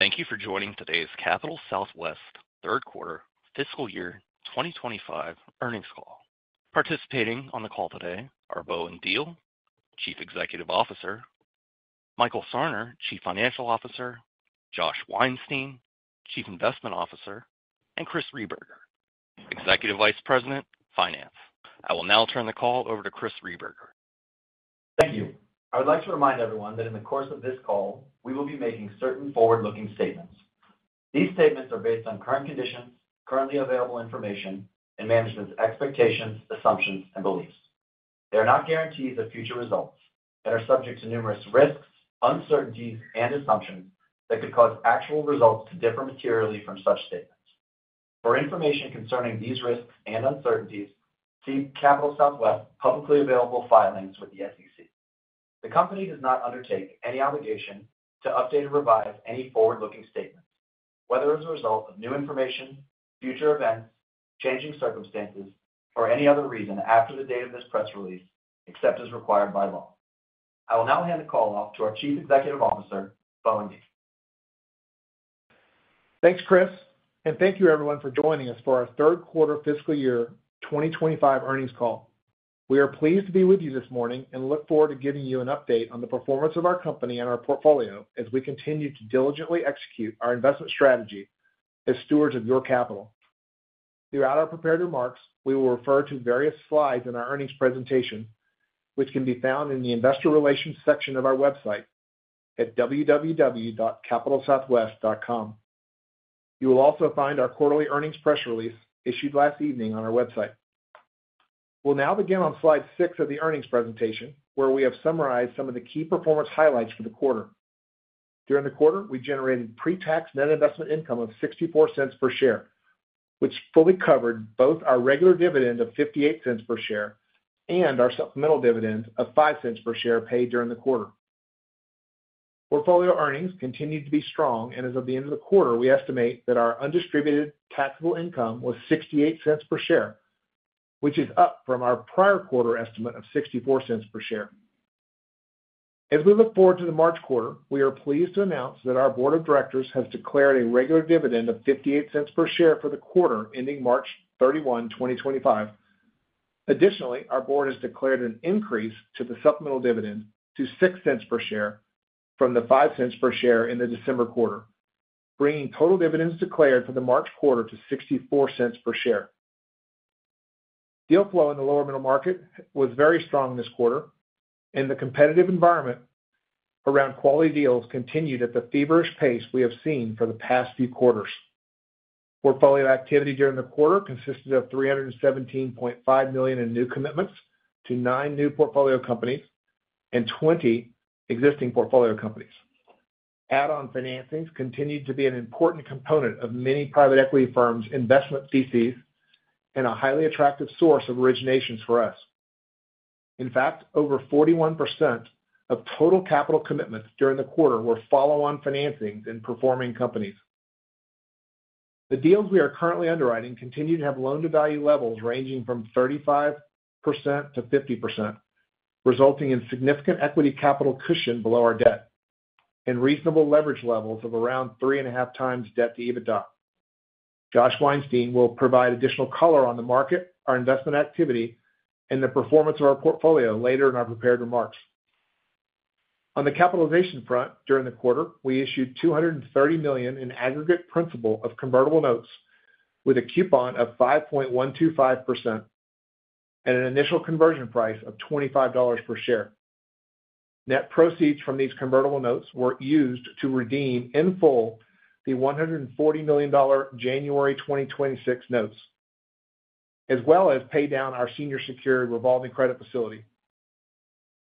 Thank you for joining today's Capital Southwest Third Quarter Fiscal Year 2025 earnings call. Participating on the call today are Bowen Diehl, Chief Executive Officer, Michael Sarner, Chief Financial Officer, Josh Weinstein, Chief Investment Officer, and Chris Rehberger, Executive Vice President, Finance. I will now turn the call over to Chris Rehberger. Thank you. I would like to remind everyone that in the course of this call, we will be making certain forward-looking statements. These statements are based on current conditions, currently available information, and management's expectations, assumptions, and beliefs. They are not guarantees of future results and are subject to numerous risks, uncertainties, and assumptions that could cause actual results to differ materially from such statements. For information concerning these risks and uncertainties, see Capital Southwest publicly available filings with the SEC. The company does not undertake any obligation to update or revise any forward-looking statements, whether as a result of new information, future events, changing circumstances, or any other reason after the date of this press release, except as required by law. I will now hand the call off to our Chief Executive Officer, Bowen Diehl. Thanks, Chris, and thank you, everyone, for joining us for our Third Quarter Fiscal Year 2025 earnings call. We are pleased to be with you this morning and look forward to giving you an update on the performance of our company and our portfolio as we continue to diligently execute our investment strategy as stewards of your capital. Throughout our prepared remarks, we will refer to various slides in our earnings presentation, which can be found in the Investor Relations section of our website at www.capitalsouthwest.com. You will also find our quarterly earnings press release issued last evening on our website. We'll now begin on slide six of the earnings presentation, where we have summarized some of the key performance highlights for the quarter. During the quarter, we generated pre-tax net investment income of $0.64 per share, which fully covered both our regular dividend of $0.58 per share and our supplemental dividend of $0.05 per share paid during the quarter. Portfolio earnings continued to be strong, and as of the end of the quarter, we estimate that our undistributed taxable income was $0.68 per share, which is up from our prior quarter estimate of $0.64 per share. As we look forward to the March quarter, we are pleased to announce that our Board of Directors has declared a regular dividend of $0.58 per share for the quarter ending March 31, 2025. Additionally, our board has declared an increase to the supplemental dividend to $0.06 per share from the $0.05 per share in the December quarter, bringing total dividends declared for the March quarter to $0.64 per share. Deal flow in the lower middle market was very strong this quarter, and the competitive environment around quality deals continued at the feverish pace we have seen for the past few quarters. Portfolio activity during the quarter consisted of $317.5 million in new commitments to nine new portfolio companies and 20 existing portfolio companies. Add-on financings continued to be an important component of many private equity firms' investment theses and a highly attractive source of originations for us. In fact, over 41% of total capital commitments during the quarter were follow-on financings in performing companies. The deals we are currently underwriting continue to have loan-to-value levels ranging from 35%-50%, resulting in significant equity capital cushion below our debt and reasonable leverage levels of around 3.5x debt-to-EBITDA. Josh Weinstein will provide additional color on the market, our investment activity, and the performance of our portfolio later in our prepared remarks. On the capitalization front, during the quarter, we issued $230 million in aggregate principal of convertible notes with a coupon of 5.125% and an initial conversion price of $25 per share. Net proceeds from these convertible notes were used to redeem in full the $140 million January 2026 notes, as well as pay down our senior secured revolving credit facility.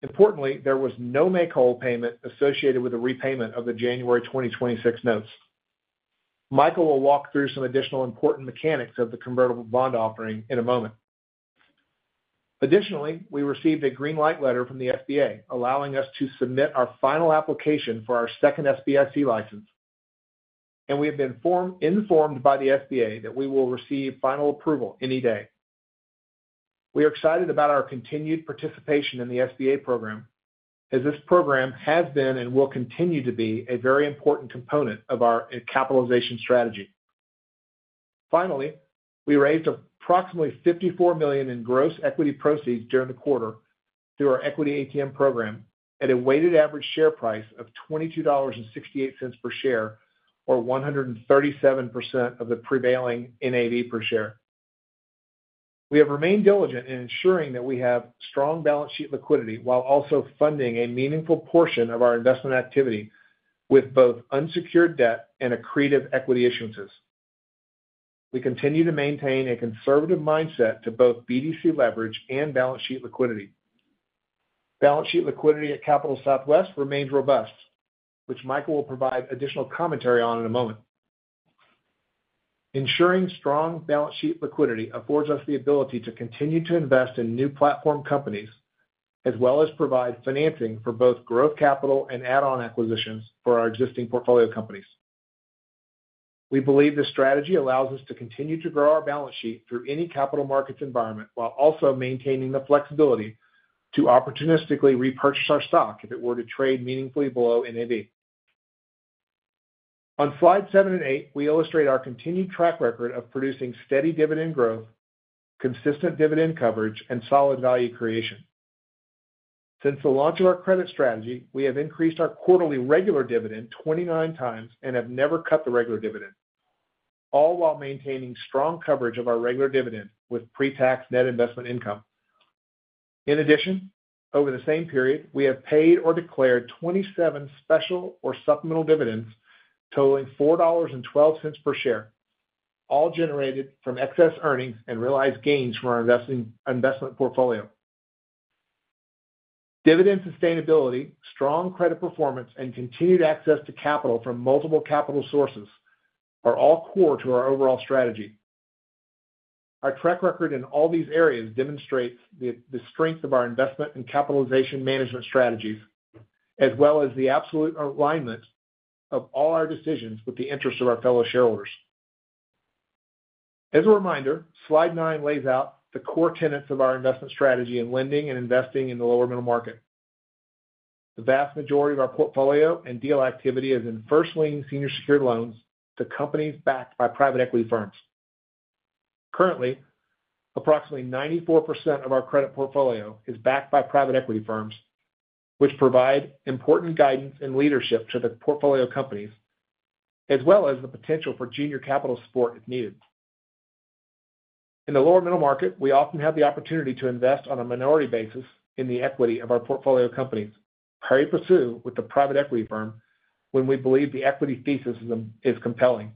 Importantly, there was no make-hole payment associated with the repayment of the January 2026 notes. Michael will walk through some additional important mechanics of the convertible bond offering in a moment. Additionally, we received a green light letter from the SBA allowing us to submit our final application for our second SBIC license, and we have been informed by the SBA that we will receive final approval any day. We are excited about our continued participation in the SBA program, as this program has been and will continue to be a very important component of our capitalization strategy. Finally, we raised approximately $54 million in gross equity proceeds during the quarter through our Equity ATM Program at a weighted average share price of $22.68 per share, or 137% of the prevailing NAV per share. We have remained diligent in ensuring that we have strong balance sheet liquidity while also funding a meaningful portion of our investment activity with both unsecured debt and accretive equity issuances. We continue to maintain a conservative mindset to both BDC leverage and balance sheet liquidity. Balance sheet liquidity at Capital Southwest remains robust, which Michael will provide additional commentary on in a moment. Ensuring strong balance sheet liquidity affords us the ability to continue to invest in new platform companies as well as provide financing for both growth capital and add-on acquisitions for our existing portfolio companies. We believe this strategy allows us to continue to grow our balance sheet through any capital markets environment while also maintaining the flexibility to opportunistically repurchase our stock if it were to trade meaningfully below NAV. On slides seven and eight, we illustrate our continued track record of producing steady dividend growth, consistent dividend coverage, and solid value creation. Since the launch of our credit strategy, we have increased our quarterly regular dividend 29x and have never cut the regular dividend, all while maintaining strong coverage of our regular dividend with pre-tax net investment income. In addition, over the same period, we have paid or declared 27 special or supplemental dividends totaling $4.12 per share, all generated from excess earnings and realized gains from our investment portfolio. Dividend sustainability, strong credit performance, and continued access to capital from multiple capital sources are all core to our overall strategy. Our track record in all these areas demonstrates the strength of our investment and capitalization management strategies, as well as the absolute alignment of all our decisions with the interests of our fellow shareholders. As a reminder, slide nine lays out the core tenets of our investment strategy in lending and investing in the lower middle market. The vast majority of our portfolio and deal activity is in first-lien senior secured loans to companies backed by private equity firms. Currently, approximately 94% of our credit portfolio is backed by private equity firms, which provide important guidance and leadership to the portfolio companies, as well as the potential for junior capital support if needed. In the lower middle market, we often have the opportunity to invest on a minority basis in the equity of our portfolio companies. Pari passu with the private equity firm when we believe the equity thesis is compelling.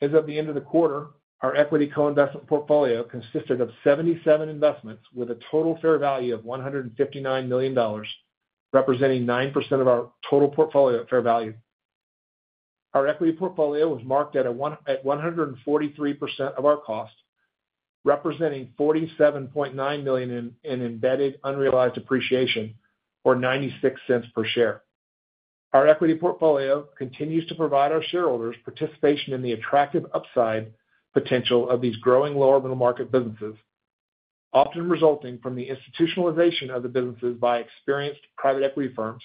As of the end of the quarter, our equity co-investment portfolio consisted of 77 investments with a total fair value of $159 million, representing 9% of our total portfolio fair value. Our equity portfolio was marked at 143% of our cost, representing $47.9 million in embedded unrealized appreciation, or $0.96 per share. Our equity portfolio continues to provide our shareholders participation in the attractive upside potential of these growing lower middle market businesses, often resulting from the institutionalization of the businesses by experienced private equity firms,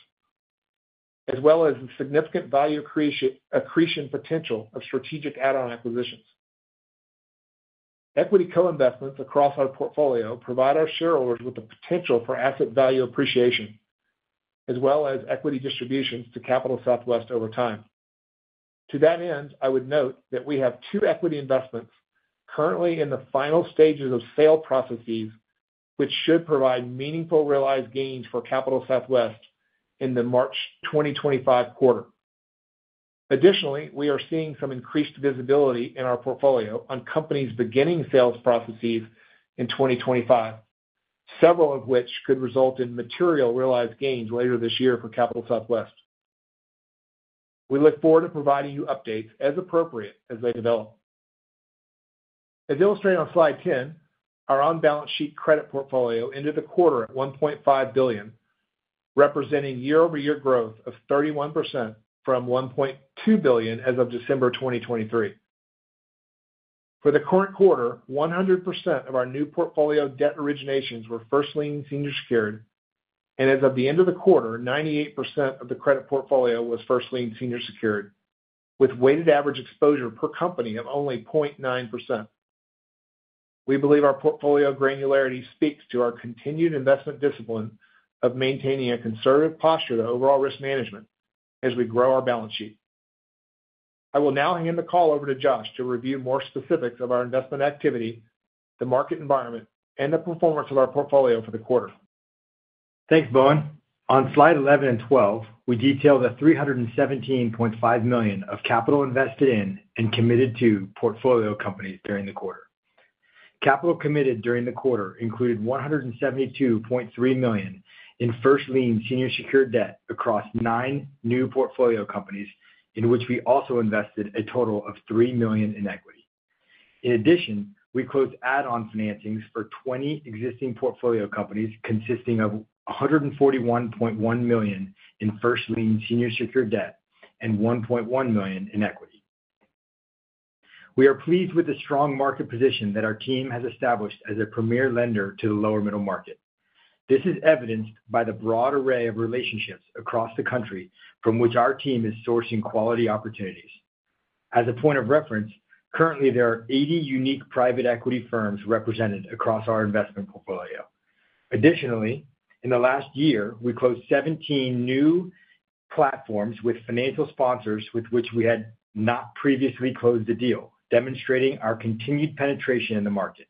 as well as the significant value accretion potential of strategic add-on acquisitions. Equity co-investments across our portfolio provide our shareholders with the potential for asset value appreciation, as well as equity distributions to Capital Southwest over time. To that end, I would note that we have two equity investments currently in the final stages of sale processes, which should provide meaningful realized gains for Capital Southwest in the March 2025 quarter. Additionally, we are seeing some increased visibility in our portfolio on companies beginning sales processes in 2025, several of which could result in material realized gains later this year for Capital Southwest. We look forward to providing you updates as appropriate as they develop. As illustrated on slide 10, our on-balance sheet credit portfolio ended the quarter at $1.5 billion, representing year-over-year growth of 31% from $1.2 billion as of December 2023. For the current quarter, 100% of our new portfolio debt originations were first-lien senior secured, and as of the end of the quarter, 98% of the credit portfolio was first-lien senior secured, with weighted average exposure per company of only 0.9%. We believe our portfolio granularity speaks to our continued investment discipline of maintaining a conservative posture to overall risk management as we grow our balance sheet. I will now hand the call over to Josh to review more specifics of our investment activity, the market environment, and the performance of our portfolio for the quarter. Thanks, Bowen. On slide 11 and 12, we detail the $317.5 million of capital invested in and committed to portfolio companies during the quarter. Capital committed during the quarter included $172.3 million in first-lien senior secured debt across nine new portfolio companies, in which we also invested a total of $3 million in equity. In addition, we closed add-on financings for 20 existing portfolio companies consisting of $141.1 million in first-lien senior secured debt and $1.1 million in equity. We are pleased with the strong market position that our team has established as a premier lender to the lower middle market. This is evidenced by the broad array of relationships across the country from which our team is sourcing quality opportunities. As a point of reference, currently, there are 80 unique private equity firms represented across our investment portfolio. Additionally, in the last year, we closed 17 new platforms with financial sponsors with which we had not previously closed a deal, demonstrating our continued penetration in the market.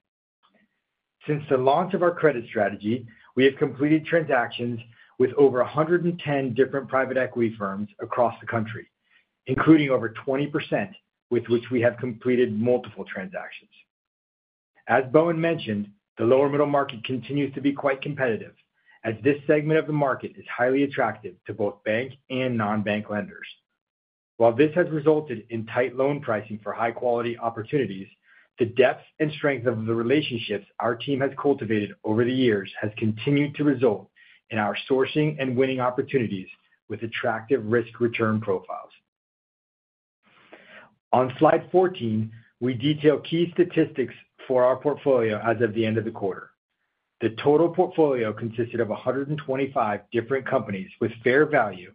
Since the launch of our credit strategy, we have completed transactions with over 110 different private equity firms across the country, including over 20% with which we have completed multiple transactions. As Bowen mentioned, the lower middle market continues to be quite competitive, as this segment of the market is highly attractive to both bank and non-bank lenders. While this has resulted in tight loan pricing for high-quality opportunities, the depth and strength of the relationships our team has cultivated over the years has continued to result in our sourcing and winning opportunities with attractive risk-return profiles. On slide 14, we detail key statistics for our portfolio as of the end of the quarter. The total portfolio consisted of 125 different companies with fair value.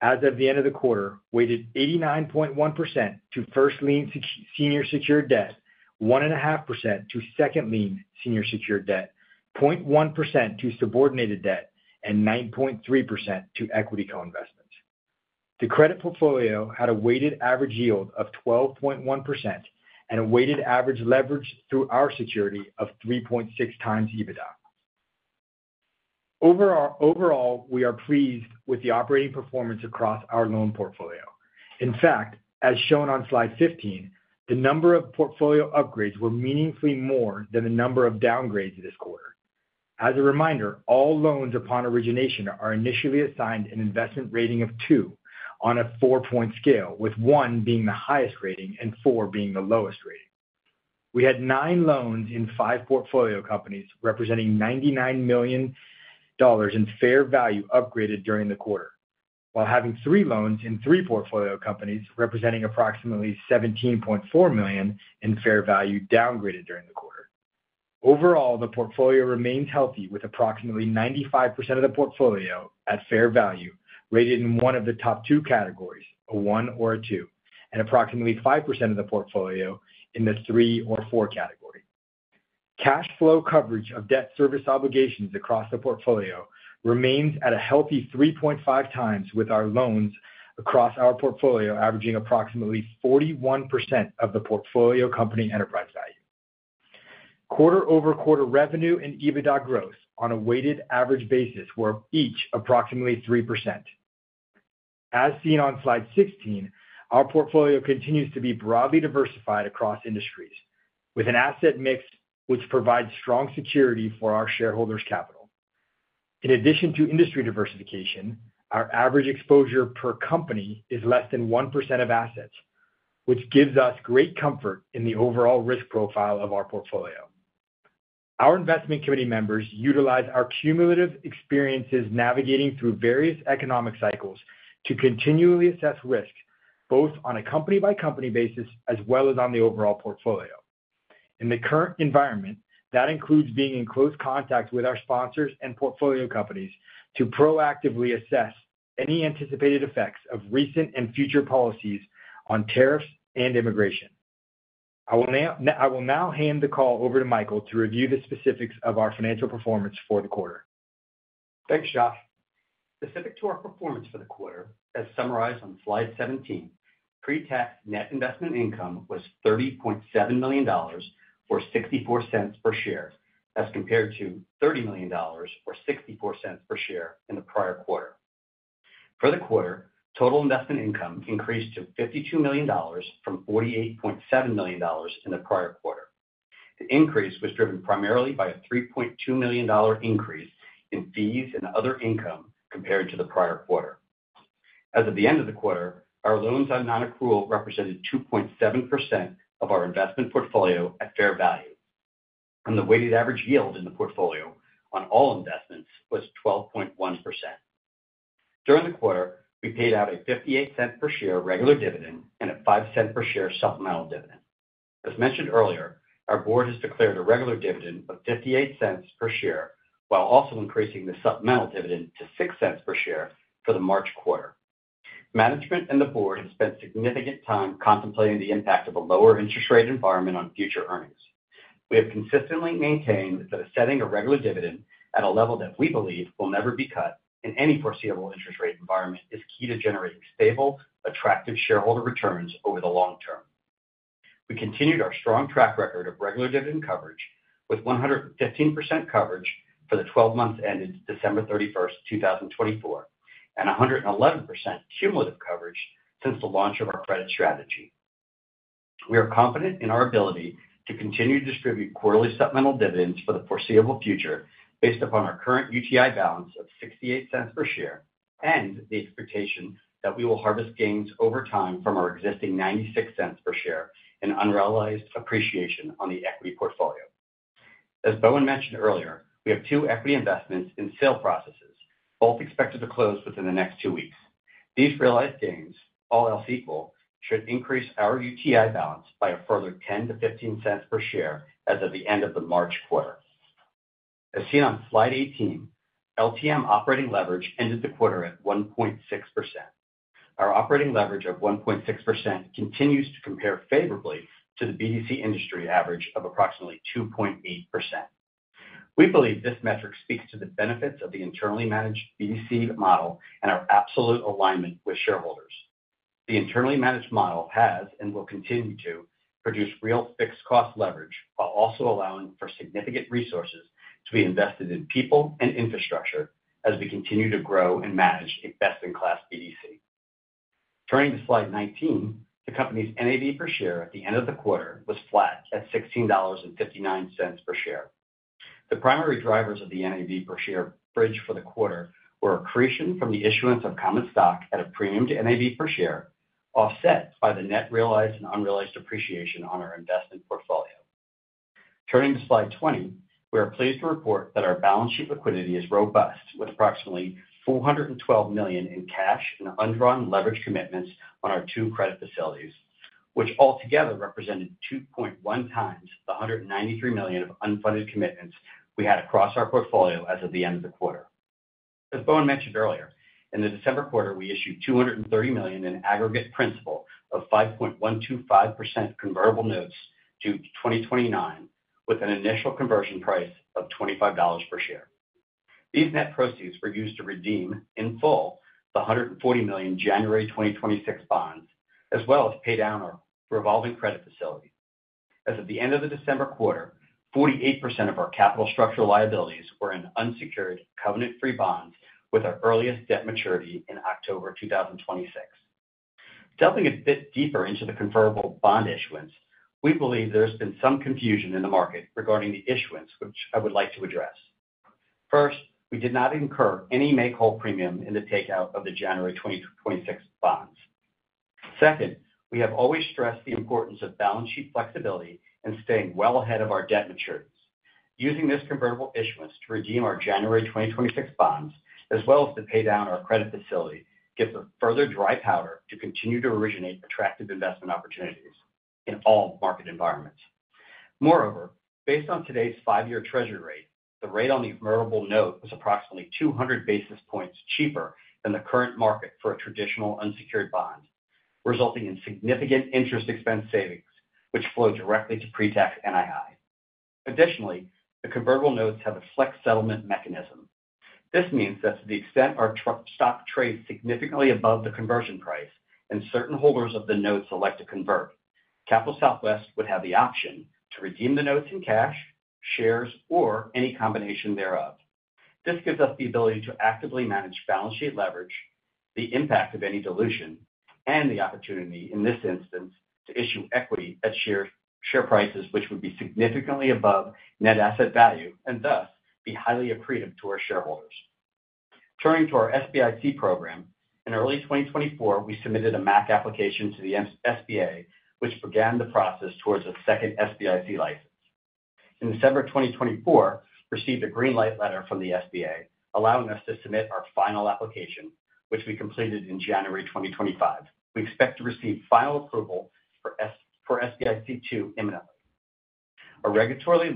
As of the end of the quarter, weighted 89.1% to first-lien senior secured debt, 1.5% to second-lien senior secured debt, 0.1% to subordinated debt, and 9.3% to equity co-investments. The credit portfolio had a weighted average yield of 12.1% and a weighted average leverage through our security of 3.6x EBITDA. Overall, we are pleased with the operating performance across our loan portfolio. In fact, as shown on slide 15, the number of portfolio upgrades were meaningfully more than the number of downgrades this quarter. As a reminder, all loans upon origination are initially assigned an investment rating of two on a four-point scale, with one being the highest rating and four being the lowest rating. We had nine loans in five portfolio companies representing $99 million in fair value upgraded during the quarter, while having three loans in three portfolio companies representing approximately $17.4 million in fair value downgraded during the quarter. Overall, the portfolio remains healthy with approximately 95% of the portfolio at fair value rated in one of the top two categories, a 1 or a 2, and approximately 5% of the portfolio in the 3 or 4 category. Cash flow coverage of debt service obligations across the portfolio remains at a healthy 3.5x, with our loans across our portfolio averaging approximately 41% of the portfolio company enterprise value. Quarter-over-quarter revenue and EBITDA growth on a weighted average basis were each approximately 3%. As seen on slide 16, our portfolio continues to be broadly diversified across industries, with an asset mix which provides strong security for our shareholders' capital. In addition to industry diversification, our average exposure per company is less than 1% of assets, which gives us great comfort in the overall risk profile of our portfolio. Our investment committee members utilize our cumulative experiences navigating through various economic cycles to continually assess risk both on a company-by-company basis as well as on the overall portfolio. In the current environment, that includes being in close contact with our sponsors and portfolio companies to proactively assess any anticipated effects of recent and future policies on tariffs and immigration. I will now hand the call over to Michael to review the specifics of our financial performance for the quarter. Thanks, Josh. Specific to our performance for the quarter, as summarized on slide 17, pre-tax net investment income was $30.7 million or $0.64 per share, as compared to $30 million or $0.64 per share in the prior quarter. For the quarter, total investment income increased to $52 million from $48.7 million in the prior quarter. The increase was driven primarily by a $3.2 million increase in fees and other income compared to the prior quarter. As of the end of the quarter, our loans on non-accrual represented 2.7% of our investment portfolio at fair value, and the weighted average yield in the portfolio on all investments was 12.1%. During the quarter, we paid out a $0.58 per share regular dividend and a $0.05 per share supplemental dividend. As mentioned earlier, our board has declared a regular dividend of $0.58 per share while also increasing the supplemental dividend to $0.06 per share for the March quarter. Management and the board have spent significant time contemplating the impact of a lower interest rate environment on future earnings. We have consistently maintained that setting a regular dividend at a level that we believe will never be cut in any foreseeable interest rate environment is key to generating stable, attractive shareholder returns over the long term. We continued our strong track record of regular dividend coverage with 115% coverage for the 12 months ended December 31st, 2024, and 111% cumulative coverage since the launch of our credit strategy. We are confident in our ability to continue to distribute quarterly supplemental dividends for the foreseeable future based upon our current UTI balance of $0.68 per share and the expectation that we will harvest gains over time from our existing $0.96 per share in unrealized appreciation on the equity portfolio. As Bowen mentioned earlier, we have two equity investments in sale processes, both expected to close within the next two weeks. These realized gains, all else equal, should increase our UTI balance by a further $0.10-$0.15 per share as of the end of the March quarter. As seen on slide 18, LTM operating leverage ended the quarter at 1.6%. Our operating leverage of 1.6% continues to compare favorably to the BDC industry average of approximately 2.8%. We believe this metric speaks to the benefits of the internally managed BDC model and our absolute alignment with shareholders. The internally managed model has and will continue to produce real fixed cost leverage while also allowing for significant resources to be invested in people and infrastructure as we continue to grow and manage a best-in-class BDC. Turning to slide 19, the company's NAV per share at the end of the quarter was flat at $16.59 per share. The primary drivers of the NAV per share bridge for the quarter were accretion from the issuance of common stock at a premium to NAV per share, offset by the net realized and unrealized appreciation on our investment portfolio. Turning to slide 20, we are pleased to report that our balance sheet liquidity is robust with approximately $412 million in cash and undrawn leverage commitments on our two credit facilities, which altogether represented 2.1x the $193 million of unfunded commitments we had across our portfolio as of the end of the quarter. As Bowen mentioned earlier, in the December quarter, we issued $230 million in aggregate principal of 5.125% convertible notes due 2029, with an initial conversion price of $25 per share. These net proceeds were used to redeem, in full, the $140 million January 2026 bonds, as well as pay down our revolving credit facility. As of the end of the December quarter, 48% of our capital structure liabilities were in unsecured covenant-free bonds with our earliest debt maturity in October 2026. Delving a bit deeper into the convertible bond issuance, we believe there has been some confusion in the market regarding the issuance, which I would like to address. First, we did not incur any make-whole premium in the takeout of the January 2026 bonds. Second, we have always stressed the importance of balance sheet flexibility and staying well ahead of our debt maturities. Using this convertible issuance to redeem our January 2026 bonds, as well as to pay down our credit facility, gives a further dry powder to continue to originate attractive investment opportunities in all market environments. Moreover, based on today's five-year treasury rate, the rate on the convertible note was approximately 200 basis points cheaper than the current market for a traditional unsecured bond, resulting in significant interest expense savings, which flow directly to pre-tax NII. Additionally, the convertible notes have a flex settlement mechanism. This means that to the extent our stock trades significantly above the conversion price and certain holders of the notes elect to convert, Capital Southwest would have the option to redeem the notes in cash, shares, or any combination thereof. This gives us the ability to actively manage balance sheet leverage, the impact of any dilution, and the opportunity, in this instance, to issue equity at share prices which would be significantly above net asset value and thus be highly accretive to our shareholders. Turning to our SBIC program, in early 2024, we submitted a MAQ application to the SBA, which began the process towards a second SBIC license. In December 2024, we received a green light letter from the SBA, allowing us to submit our final application, which we completed in January 2025. We expect to receive final approval for SBIC II imminently. Our regulatory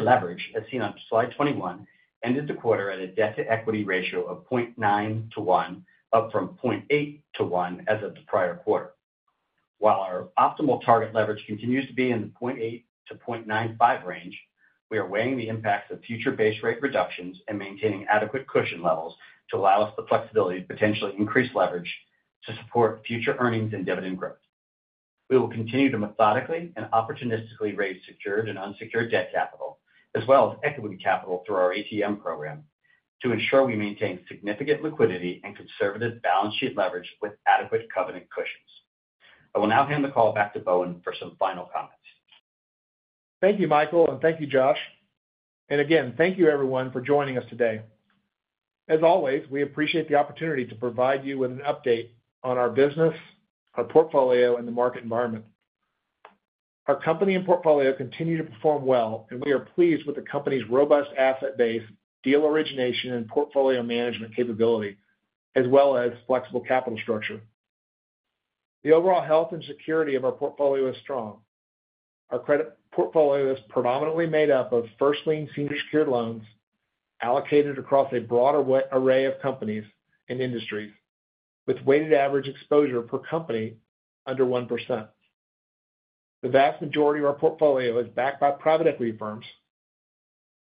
leverage, as seen on slide 21, ended the quarter at a debt-to-equity ratio of 0.9-1, up from 0.8-1 as of the prior quarter. While our optimal target leverage continues to be in the 0.8-0.95 range, we are weighing the impacts of future base rate reductions and maintaining adequate cushion levels to allow us the flexibility to potentially increase leverage to support future earnings and dividend growth. We will continue to methodically and opportunistically raise secured and unsecured debt capital, as well as equity capital through our ATM Program, to ensure we maintain significant liquidity and conservative balance sheet leverage with adequate covenant cushions. I will now hand the call back to Bowen for some final comments. Thank you, Michael, and thank you, Josh. And again, thank you, everyone, for joining us today. As always, we appreciate the opportunity to provide you with an update on our business, our portfolio, and the market environment. Our company and portfolio continue to perform well, and we are pleased with the company's robust asset base, deal origination, and portfolio management capability, as well as flexible capital structure. The overall health and security of our portfolio is strong. Our portfolio is predominantly made up of first-lien senior secured loans allocated across a broader array of companies and industries, with weighted average exposure per company under 1%. The vast majority of our portfolio is backed by private equity firms.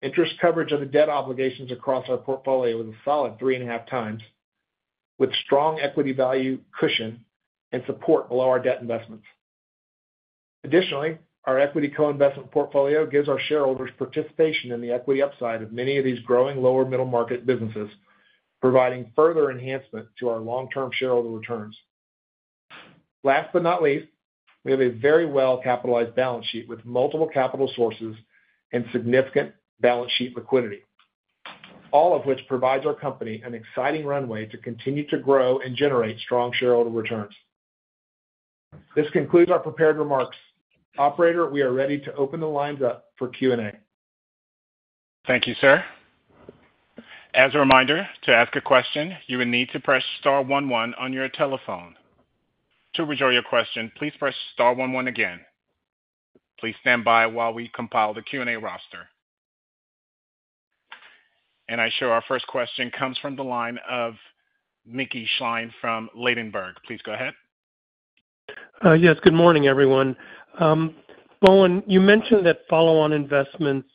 Interest coverage on the debt obligations across our portfolio is a solid 3.5x, with strong equity value cushion and support below our debt investments. Additionally, our equity co-investment portfolio gives our shareholders participation in the equity upside of many of these growing lower middle market businesses, providing further enhancement to our long-term shareholder returns. Last but not least, we have a very well-capitalized balance sheet with multiple capital sources and significant balance sheet liquidity, all of which provides our company an exciting runway to continue to grow and generate strong shareholder returns. This concludes our prepared remarks. Operator, we are ready to open the lines up for Q&A. Thank you, sir. As a reminder, to ask a question, you would need to press star one one on your telephone. To withdraw your question, please press star one one again. Please stand by while we compile the Q&A roster, and I show our first question comes from the line of Mickey Schleien from Ladenburg. Please go ahead. Yes. Good morning, everyone. Bowen, you mentioned that follow-on investments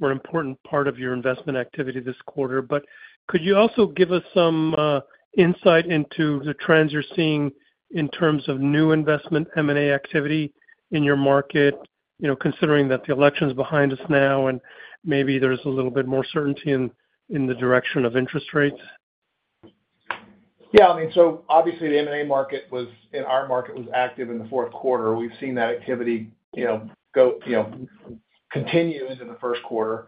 were an important part of your investment activity this quarter, but could you also give us some insight into the trends you're seeing in terms of new investment M&A activity in your market, considering that the election's behind us now and maybe there's a little bit more certainty in the direction of interest rates? Yeah. I mean, so obviously, the M&A market was, in our market, active in the fourth quarter. We've seen that activity continue into the first quarter.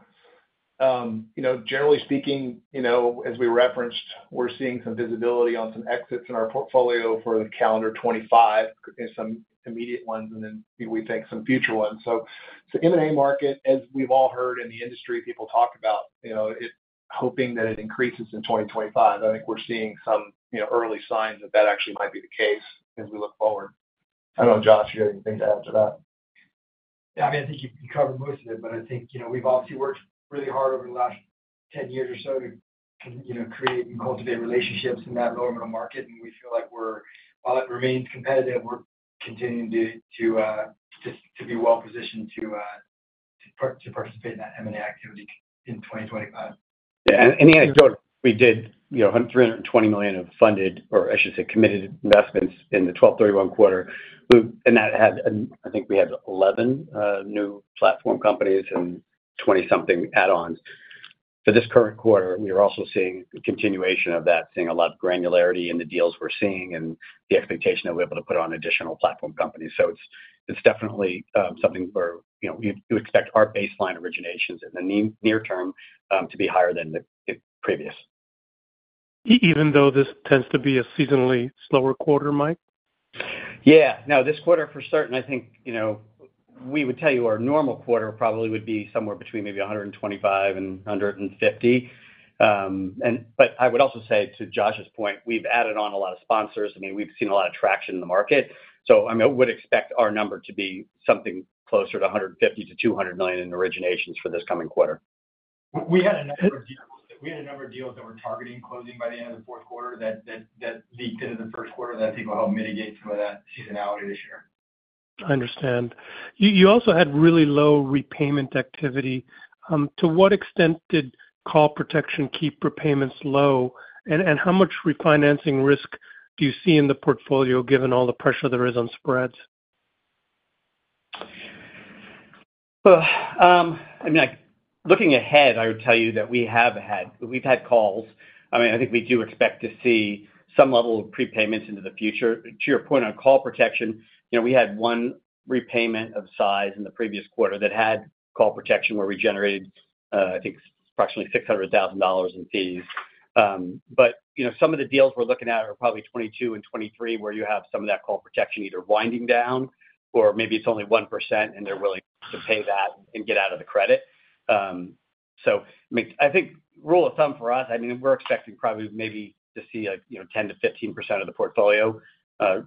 Generally speaking, as we referenced, we're seeing some visibility on some exits in our portfolio for the calendar 2025, some immediate ones, and then we think some future ones. So the M&A market, as we've all heard in the industry, people talk about hoping that it increases in 2025. I think we're seeing some early signs that that actually might be the case as we look forward. I don't know, Josh, if you have anything to add to that. Yeah. I mean, I think you covered most of it, but I think we've obviously worked really hard over the last 10 years or so to create and cultivate relationships in that lower middle market, and we feel like while it remains competitive, we're continuing to be well-positioned to participate in that M&A activity in 2025. Yeah. And as an anecdote, we did $320 million of funded, or I should say committed investments in the 12/31 quarter. And that had, I think we had 11 new platform companies and 20-something add-ons. For this current quarter, we are also seeing a continuation of that, seeing a lot of granularity in the deals we're seeing and the expectation that we're able to put on additional platform companies. So it's definitely something where you expect our baseline originations in the near term to be higher than the previous. Even though this tends to be a seasonally slower quarter, Mike? Yeah. No, this quarter for certain, I think we would tell you our normal quarter probably would be somewhere between maybe 125 and 150. But I would also say, to Josh's point, we've added on a lot of sponsors. I mean, we've seen a lot of traction in the market. So I would expect our number to be something closer to 150 million-200 million in originations for this coming quarter. We had a number of deals that were targeting closing by the end of the fourth quarter that leaked into the first quarter. I think it'll help mitigate some of that seasonality this year. I understand. You also had really low repayment activity. To what extent did call protection keep repayments low, and how much refinancing risk do you see in the portfolio given all the pressure there is on spreads? I mean, looking ahead, I would tell you that we have had calls. I mean, I think we do expect to see some level of prepayments into the future. To your point on call protection, we had one repayment of size in the previous quarter that had call protection where we generated, I think, approximately $600,000 in fees. But some of the deals we're looking at are probably 2022 and 2023 where you have some of that call protection either winding down or maybe it's only 1%, and they're willing to pay that and get out of the credit. So I mean, I think rule of thumb for us, I mean, we're expecting probably maybe to see 10%-15% of the portfolio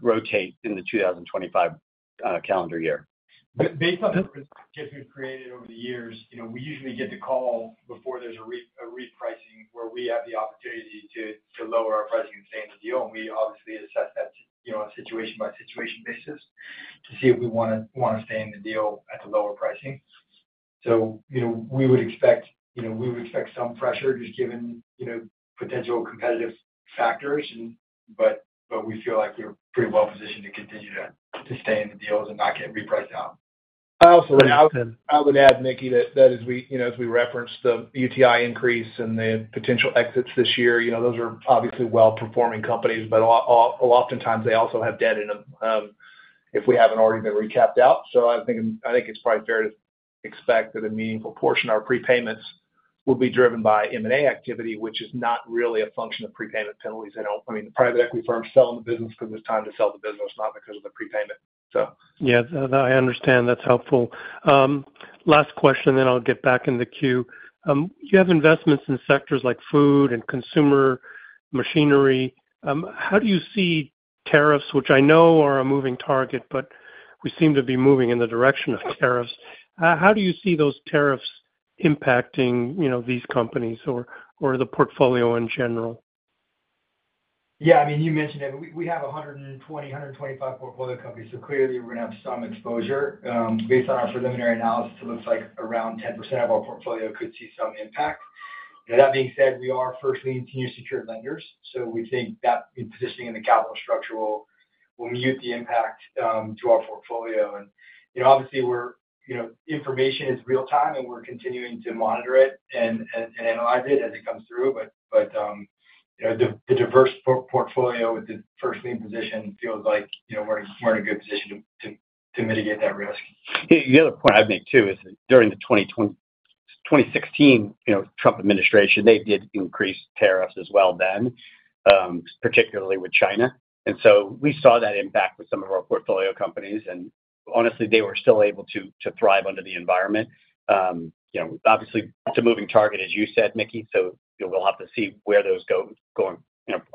rotate in the 2025 calendar year. Based on the risk that we've created over the years, we usually get the call before there's a repricing where we have the opportunity to lower our pricing and stay in the deal. And we obviously assess that on a situation-by-situation basis to see if we want to stay in the deal at the lower pricing. So we would expect some pressure just given potential competitive factors, but we feel like we're pretty well-positioned to continue to stay in the deals and not get repriced out. I would add, Mickey, that as we referenced the UTI increase and the potential exits this year, those are obviously well-performing companies, but oftentimes they also have debt in them if we haven't already been recapped out. So I think it's probably fair to expect that a meaningful portion of our prepayments will be driven by M&A activity, which is not really a function of prepayment penalties. I mean, private equity firms selling the business because it's time to sell the business, not because of the prepayment, so. Yeah. No, I understand. That's helpful. Last question, then I'll get back in the queue. You have investments in sectors like food and consumer machinery. How do you see tariffs, which I know are a moving target, but we seem to be moving in the direction of tariffs? How do you see those tariffs impacting these companies or the portfolio in general? Yeah. I mean, you mentioned it. We have 120, 125 portfolio companies, so clearly we're going to have some exposure. Based on our preliminary analysis, it looks like around 10% of our portfolio could see some impact. That being said, we are first-lien senior secured lenders, so we think that positioning in the capital structure will mute the impact to our portfolio. And obviously, information is real-time, and we're continuing to monitor it and analyze it as it comes through. But the diverse portfolio with the first-lien position feels like we're in a good position to mitigate that risk. The other point I'd make, too, is that during the 2016 Trump administration, they did increase tariffs as well then, particularly with China, and so we saw that impact with some of our portfolio companies, and honestly, they were still able to thrive under the environment. Obviously, it's a moving target, as you said, Mickey, so we'll have to see where those go on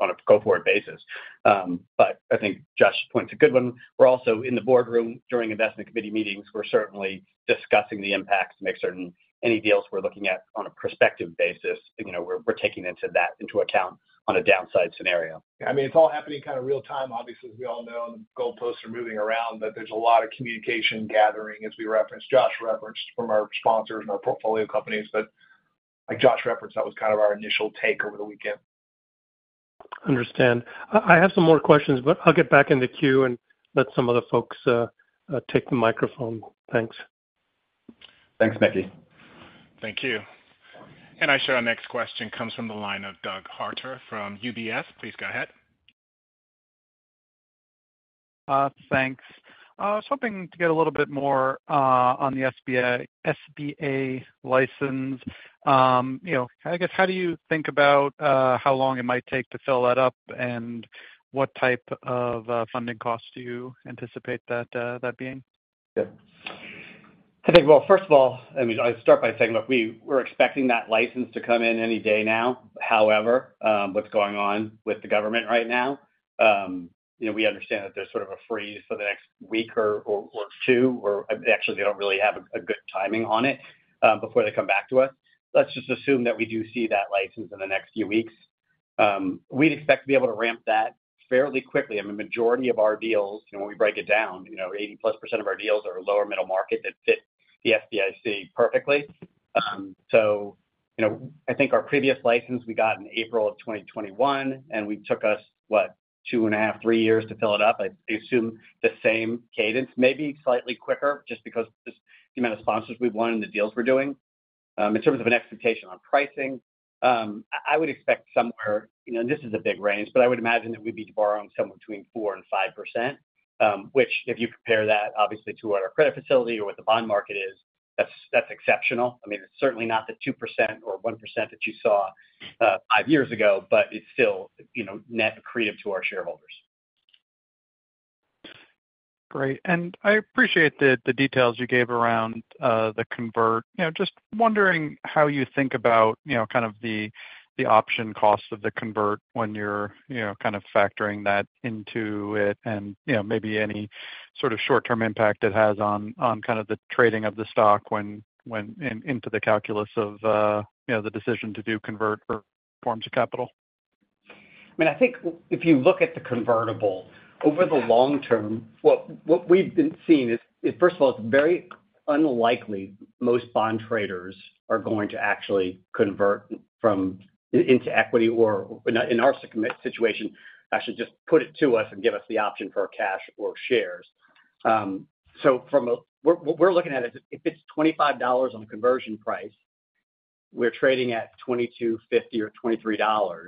a go-forward basis, but I think Josh points a good one. We're also in the boardroom during investment committee meetings. We're certainly discussing the impacts to make certain any deals we're looking at on a prospective basis, we're taking into account on a downside scenario. I mean, it's all happening kind of real-time, obviously, as we all know. The goalposts are moving around, but there's a lot of communication gathering, as we referenced, Josh referenced, from our sponsors and our portfolio companies. But like Josh referenced, that was kind of our initial take over the weekend. Understand. I have some more questions, but I'll get back in the queue and let some other folks take the microphone. Thanks. Thanks, Mickey. Thank you. And I show our next question comes from the line of Doug Harter from UBS. Please go ahead. Thanks. I was hoping to get a little bit more on the SBIC license. I guess, how do you think about how long it might take to fill that up and what type of funding cost do you anticipate that being? First of all, I mean, I'll start by saying look, we're expecting that license to come in any day now. However, what's going on with the government right now, we understand that there's sort of a freeze for the next week or two, or actually, they don't really have a good timing on it before they come back to us. Let's just assume that we do see that license in the next few weeks. We'd expect to be able to ramp that fairly quickly. I mean, the majority of our deals, when we break it down, 80%+ of our deals are lower middle market that fit the SBIC perfectly. So I think our previous license we got in April of 2021, and it took us, what, two and a half, three years to fill it up. I assume the same cadence, maybe slightly quicker, just because of the amount of sponsors we've won and the deals we're doing. In terms of an expectation on pricing, I would expect somewhere, and this is a big range, but I would imagine that we'd be borrowing somewhere between 4%-5%, which if you compare that, obviously, to what our credit facility or what the bond market is, that's exceptional. I mean, it's certainly not the 2% or 1% that you saw five years ago, but it's still net accretive to our shareholders. Great. And I appreciate the details you gave around the convert. Just wondering how you think about kind of the option cost of the convert when you're kind of factoring that into it and maybe any sort of short-term impact it has on kind of the trading of the stock into the calculus of the decision to do convert or forms of capital? I mean, I think if you look at the convertible, over the long term, what we've been seeing is, first of all, it's very unlikely most bond traders are going to actually convert into equity or, in our situation, actually just put it to us and give us the option for cash or shares. So what we're looking at is if it's $25 on a conversion price, we're trading at $22.50 or $23.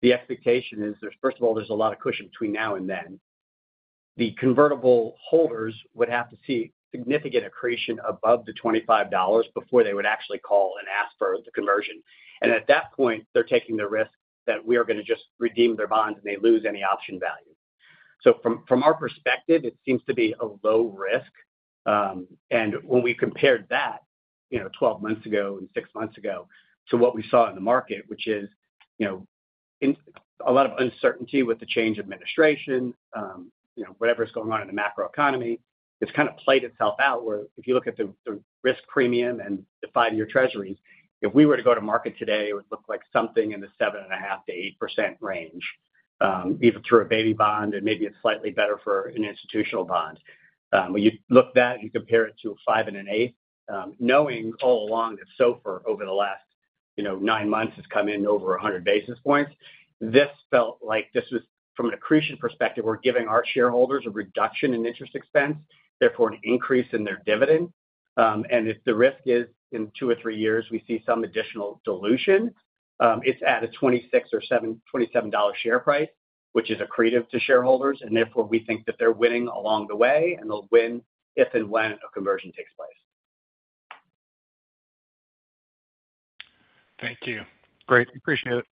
The expectation is, first of all, there's a lot of cushion between now and then. The convertible holders would have to see significant accretion above the $25 before they would actually call and ask for the conversion, and at that point, they're taking the risk that we are going to just redeem their bonds and they lose any option value, so from our perspective, it seems to be a low risk. And when we compared that 12 months ago and six months ago to what we saw in the market, which is a lot of uncertainty with the change in administration, whatever's going on in the macroeconomy, it's kind of played itself out where if you look at the risk premium and the five-year Treasuries, if we were to go to market today, it would look like something in the 7.5%-8% range, either through a baby bond and maybe it's slightly better for an institutional bond. When you look at that and you compare it to a 5 and an 8, knowing all along that SOFR over the last nine months has come in over 100 basis points, this felt like this was, from an accretion perspective, we're giving our shareholders a reduction in interest expense, therefore an increase in their dividend. If the risk is in two or three years, we see some additional dilution. It's at a $26 or $27 share price, which is accretive to shareholders. Therefore, we think that they're winning along the way, and they'll win if and when a conversion takes place. Thank you. Great. Appreciate it.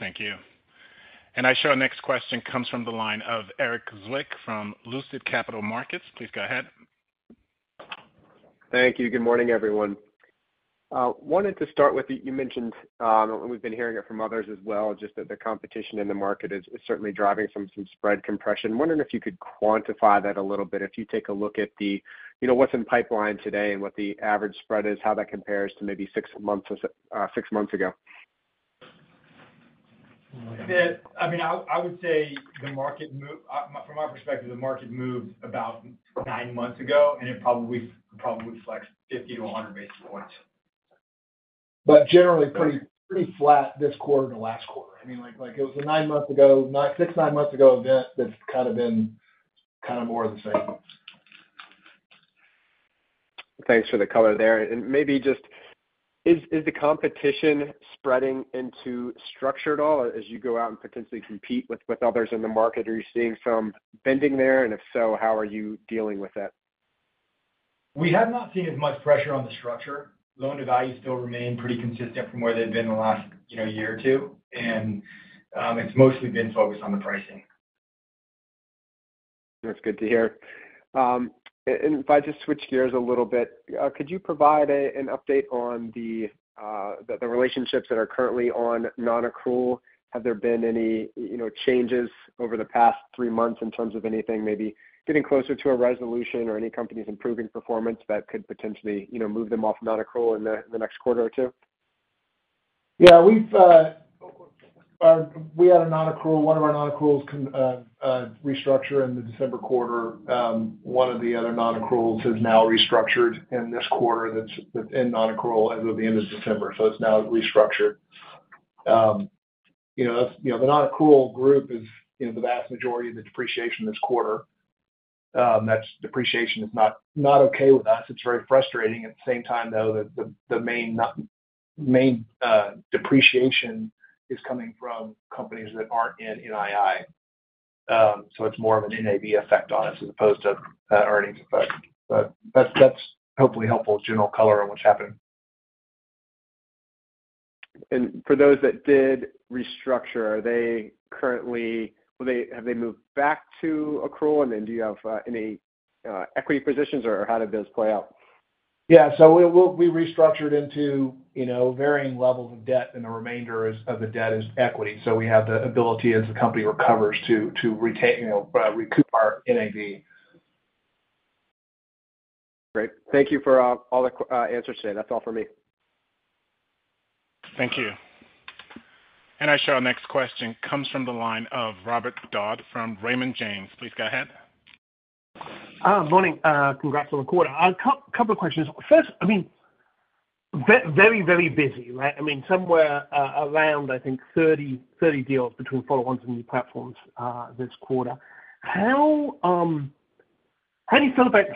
Thank you, and I show our next question comes from the line of Erik Zwick from Lucid Capital Markets. Please go ahead. Thank you. Good morning, everyone. Wanted to start with, you mentioned we've been hearing it from others as well, just that the competition in the market is certainly driving some spread compression. Wondering if you could quantify that a little bit. If you take a look at what's in pipeline today and what the average spread is, how that compares to maybe six months ago. I mean, I would say from our perspective, the market moved about nine months ago, and it probably flexed 50-100 basis points. But generally, pretty flat this quarter to last quarter. I mean, it was a six to nine months ago event that's kind of been kind of more of the same. Thanks for the color there, and maybe just, is the competition spreading into structure at all as you go out and potentially compete with others in the market? Are you seeing some bending there, and if so, how are you dealing with that? We have not seen as much pressure on the structure. Loan-to-value still remain pretty consistent from where they've been the last year or two, and it's mostly been focused on the pricing. That's good to hear, and if I just switch gears a little bit, could you provide an update on the relationships that are currently on non-accrual? Have there been any changes over the past three months in terms of anything maybe getting closer to a resolution or any companies improving performance that could potentially move them off non-accrual in the next quarter or two? Yeah. We had a non-accrual. One of our non-accruals restructured in the December quarter. One of the other non-accruals has now restructured in this quarter that's in non-accrual as of the end of December. So it's now restructured. The non-accrual group is the vast majority of the depreciation this quarter. That depreciation is not okay with us. It's very frustrating. At the same time, though, the main depreciation is coming from companies that aren't in NII. So it's more of a NAV effect on us as opposed to earnings effect. But that's hopefully helpful general color on what's happening. And for those that did restructure, are they currently? Have they moved back to accrual? And then do you have any equity positions, or how did those play out? Yeah. So we restructured into varying levels of debt, and the remainder of the debt is equity. So we have the ability, as the company recovers, to recoup our NAV. Great. Thank you for all the answers today. That's all for me. Thank you. And I show our next question comes from the line of Robert Dodd from Raymond James. Please go ahead. Morning. Congrats on the quarter. A couple of questions. First, I mean, very, very busy. I mean, somewhere around, I think, 30 deals between follow-ons and new platforms this quarter. How do you feel about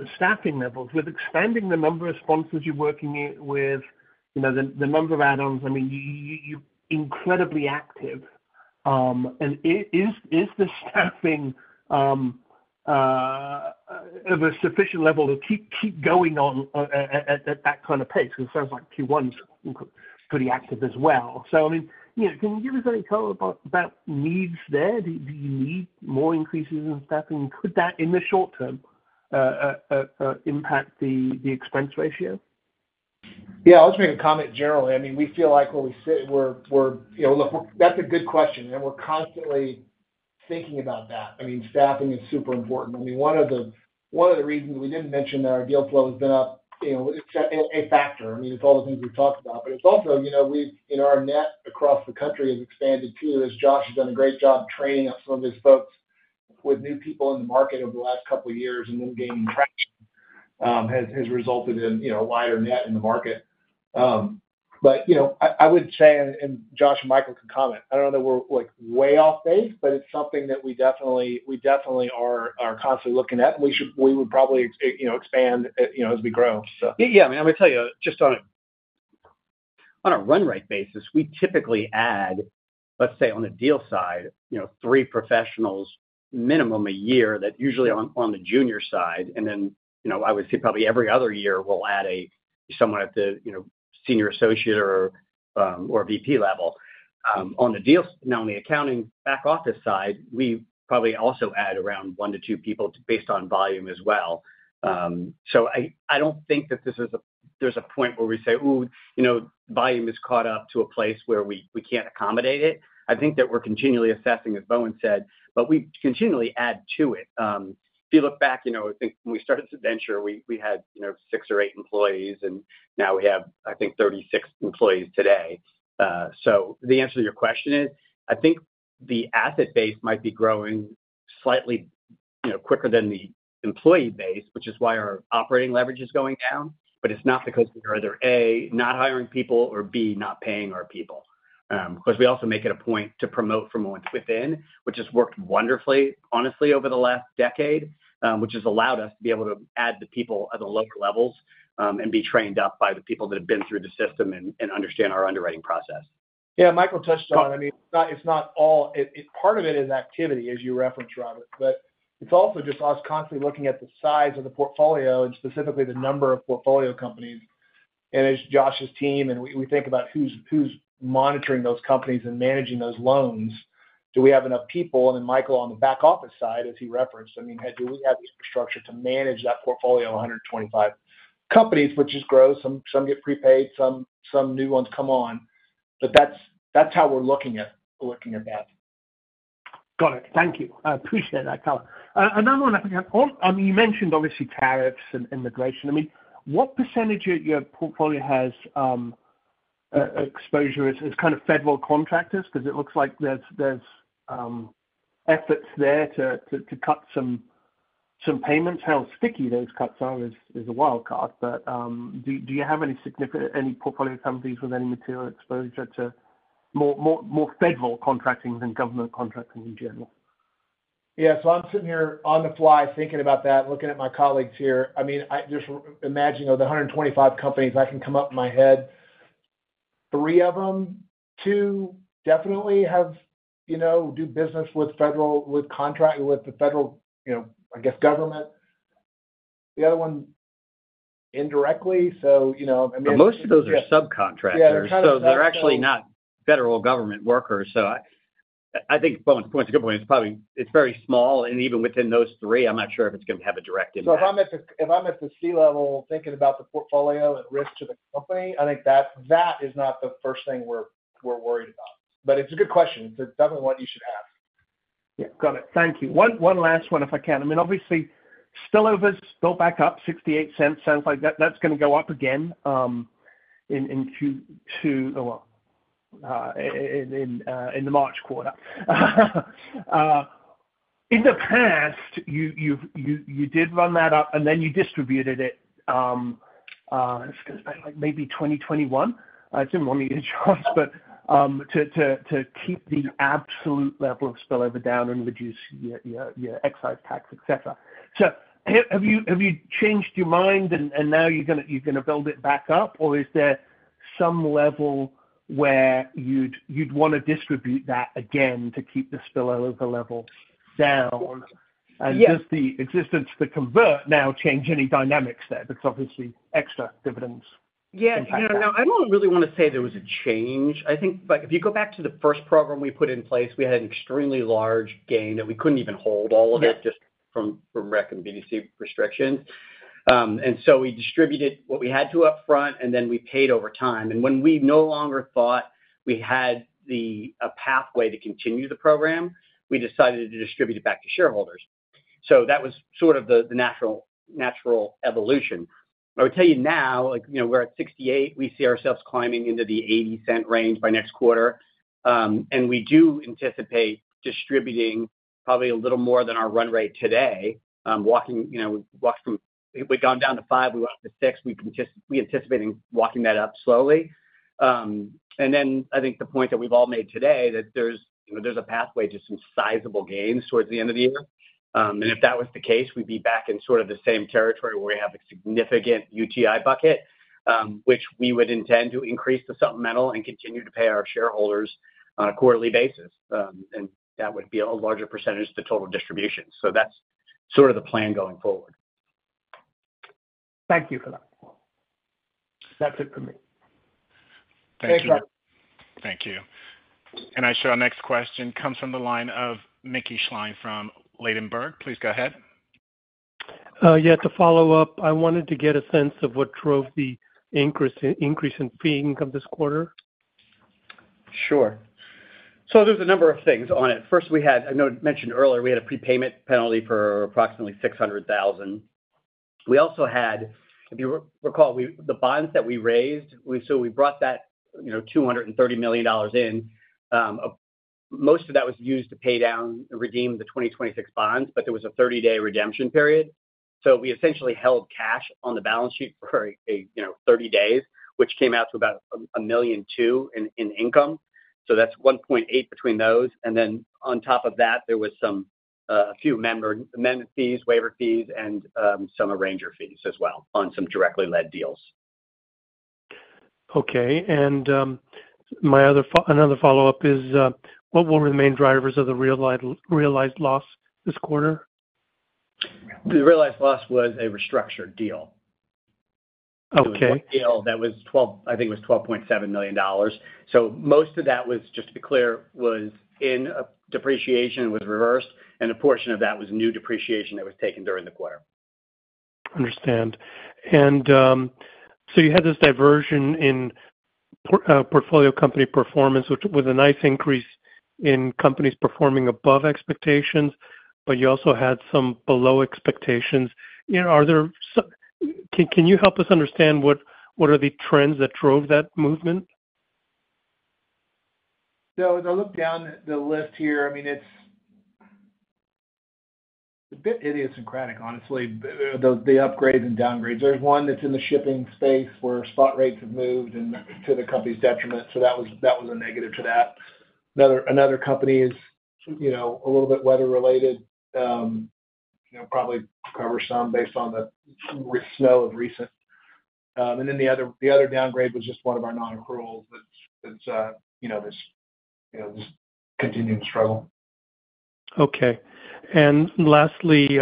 the staffing levels with expanding the number of sponsors you're working with, the number of add-ons? I mean, you're incredibly active. Is the staffing of a sufficient level to keep going at that kind of pace? Because it sounds like Q1's pretty active as well. I mean, can you give us any color about needs there? Do you need more increases in staffing? Could that, in the short term, impact the expense ratio? Yeah. I'll just make a comment generally. I mean, we feel like where we sit, we're, that's a good question, and we're constantly thinking about that. I mean, staffing is super important. I mean, one of the reasons we didn't mention that our deal flow has been up, it's a factor. I mean, it's all the things we've talked about. But it's also our net across the country has expanded, too, as Josh has done a great job training up some of his folks. With new people in the market over the last couple of years and them gaining traction has resulted in a wider net in the market. But I would say, and Josh and Michael can comment, I don't know that we're way off base, but it's something that we definitely are constantly looking at, and we would probably expand as we grow, so. Yeah. I mean, I'm going to tell you, just on a run rate basis, we typically add, let's say, on the deal side, three professionals minimum a year that usually are on the junior side. And then I would say probably every other year, we'll add someone at the senior associate or VP level. On the accounting back office side, we probably also add around one to two people based on volume as well. So I don't think that there's a point where we say, "Ooh, volume has caught up to a place where we can't accommodate it." I think that we're continually assessing, as Bowen said, but we continually add to it. If you look back, I think when we started this venture, we had six or eight employees, and now we have, I think, 36 employees today. So the answer to your question is, I think the asset base might be growing slightly quicker than the employee base, which is why our operating leverage is going down. But it's not because we are either A, not hiring people, or B, not paying our people. Because we also make it a point to promote from within, which has worked wonderfully, honestly, over the last decade, which has allowed us to be able to add the people at the lower levels and be trained up by the people that have been through the system and understand our underwriting process. Yeah. Michael touched on it. I mean, it's not all part of it is activity, as you referenced, Robert, but it's also just us constantly looking at the size of the portfolio and specifically the number of portfolio companies. As Josh's team and we think about who's monitoring those companies and managing those loans, do we have enough people? Then Michael on the back office side, as he referenced, I mean, do we have the infrastructure to manage that portfolio of 125 companies, which is gross. Some get prepaid, some new ones come on. But that's how we're looking at that. Got it. Thank you. I appreciate that color. Another one I think I've got. I mean, you mentioned obviously tariffs and immigration. I mean, what percentage of your portfolio has exposure as kind of federal contractors? Because it looks like there's efforts there to cut some payments. How sticky those cuts are is a wild card. But do you have any portfolio companies with any material exposure to more federal contracting than government contracting in general? Yeah. So I'm sitting here on the fly thinking about that, looking at my colleagues here. I mean, just imagining of the 125 companies, I can come up in my head three of them, two definitely do business with contracting with the federal, I guess, government. The other one indirectly. So I mean. Most of those are subcontractors. So they're actually not federal government workers. So I think Bowen's point's a good point. It's very small. And even within those three, I'm not sure if it's going to have a direct impact. If I'm at the C-level thinking about the portfolio at risk to the company, I think that is not the first thing we're worried about. But it's a good question. It's definitely one you should ask. Yeah. Got it. Thank you. One last one, if I can. I mean, obviously, spillovers go back up $0.68. Sounds like that's going to go up again in the March quarter. In the past, you did run that up, and then you distributed it. I was going to say, like maybe 2021. I didn't want to use yours, but to keep the absolute level of spillover down and reduce your excise tax, et cetera. So have you changed your mind, and now you're going to build it back up? Or is there some level where you'd want to distribute that again to keep the spillover level down? And does the existence of the convert now change any dynamics there? That's obviously extra dividends impact. Yeah. No, I don't really want to say there was a change. I think if you go back to the first program we put in place, we had an extremely large gain that we couldn't even hold all of it just from RIC and BDC restrictions. And so we distributed what we had to upfront, and then we paid over time. And when we no longer thought we had a pathway to continue the program, we decided to distribute it back to shareholders. So that was sort of the natural evolution. I would tell you now, we're at $0.68. We see ourselves climbing into the $0.80 range by next quarter. And we do anticipate distributing probably a little more than our run rate today. We've gone down to $0.05. We went up to $0.06. We're anticipating walking that up slowly. And then I think the point that we've all made today that there's a pathway to some sizable gains towards the end of the year. And if that was the case, we'd be back in sort of the same territory where we have a significant UTI bucket, which we would intend to increase the supplemental and continue to pay our shareholders on a quarterly basis. And that would be a larger percentage of the total distribution. So that's sort of the plan going forward. Thank you for that. That's it for me. Thank you. Thank you. And I show our next question comes from the line of Mickey Schleien from Ladenburg. Please go ahead. Yeah. To follow up, I wanted to get a sense of what drove the increase in fee income this quarter. Sure. So there's a number of things on it. First, I know it mentioned earlier, we had a prepayment penalty for approximately $600,000. We also had, if you recall, the bonds that we raised. So we brought that $230 million in. Most of that was used to pay down and redeem the 2026 bonds, but there was a 30-day redemption period. So we essentially held cash on the balance sheet for 30 days, which came out to about $1.2 million in income. So that's $1.8 million between those. And then on top of that, there were some few amendment fees, waiver fees, and some arranger fees as well on some directly-led deals. Okay. And another follow-up is, what were the main drivers of the realized loss this quarter? The realized loss was a restructured deal. It was a deal that was, I think, it was $12.7 million. So most of that was, just to be clear, was in depreciation was reversed, and a portion of that was new depreciation that was taken during the quarter. Understand. You had this divergence in portfolio company performance, which was a nice increase in companies performing above expectations, but you also had some below expectations. Can you help us understand what are the trends that drove that movement? As I look down the list here, I mean, it's a bit idiosyncratic, honestly, the upgrades and downgrades. There's one that's in the shipping space where spot rates have moved to the company's detriment. That was a negative to that. Another company is a little bit weather-related, probably covers some based on the snow of recent. Then the other downgrade was just one of our non-accruals that's this continuing struggle. Okay, and lastly,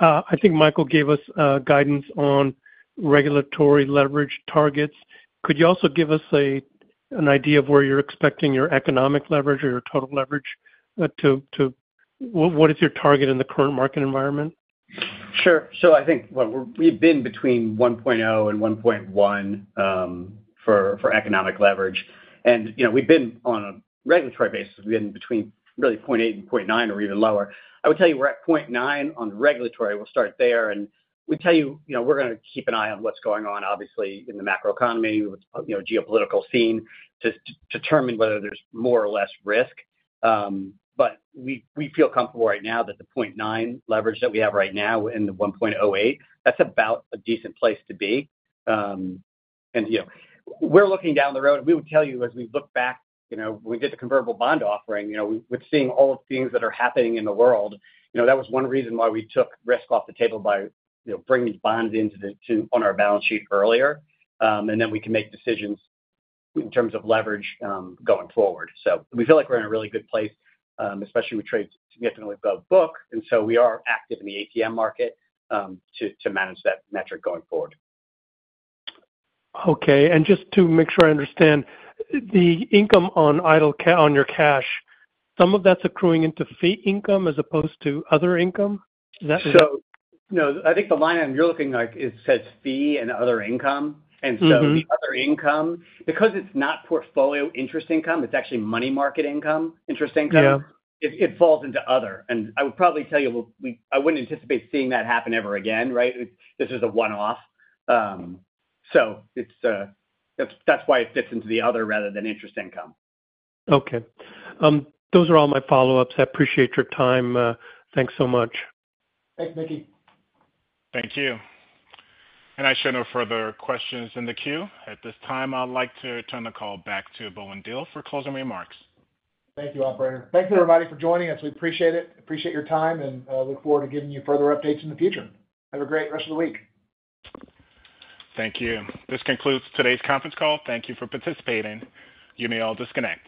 I think Michael gave us guidance on regulatory leverage targets. Could you also give us an idea of where you're expecting your economic leverage or your total leverage to what is your target in the current market environment? Sure. So I think we've been between 1.0 and 1.1 for economic leverage. And we've been on a regulatory basis. We've been between really 0.8 and 0.9 or even lower. I would tell you we're at 0.9 on the regulatory. We'll start there. And we tell you we're going to keep an eye on what's going on, obviously, in the macroeconomy, geopolitical scene to determine whether there's more or less risk. But we feel comfortable right now that the 0.9 leverage that we have right now in the 1.08, that's about a decent place to be. And we're looking down the road. We would tell you as we look back, when we did the convertible bond offering, with seeing all the things that are happening in the world, that was one reason why we took risk off the table by bringing bonds on our balance sheet earlier. Then we can make decisions in terms of leverage going forward. We feel like we're in a really good place, especially with trades significantly above book. We are active in the ATM market to manage that metric going forward. Okay. And just to make sure I understand, the income on your cash, some of that's accruing into fee income as opposed to other income? Is that? I think the line item you're looking at says fee and other income. The other income, because it's not portfolio interest income, it's actually money market income, interest income, it falls into other. I would probably tell you I wouldn't anticipate seeing that happen ever again, right? This is a one-off. That's why it fits into the other rather than interest income. Okay. Those are all my follow-ups. I appreciate your time. Thanks so much. Thanks, Mickey. Thank you, and I show no further questions in the queue. At this time, I'd like to turn the call back to Bowen Diehl for closing remarks. Thank you, operator. Thanks, everybody, for joining us. We appreciate it. Appreciate your time, and look forward to giving you further updates in the future. Have a great rest of the week. Thank you. This concludes today's conference call. Thank you for participating. You may all disconnect.